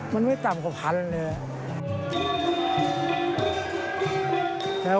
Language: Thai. มันไม่ต่ำกว่าพันเลย